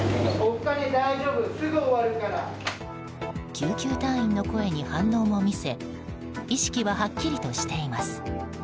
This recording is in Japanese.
救急隊員の声に反応を見せ意識ははっきりとしています。